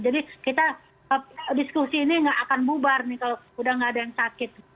jadi kita diskusi ini gak akan bubar nih kalau udah gak ada yang sakit